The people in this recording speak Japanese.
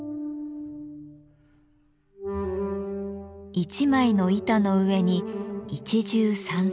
一枚の板の上に一汁三菜。